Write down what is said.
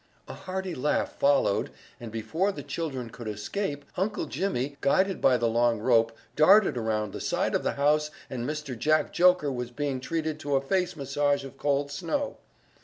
A hearty laugh followed and before the children could escape Uncle Jimmy, guided by the long rope, darted around the side of the house and Mr. Jack Joker was being treated to a face massage of cold snow.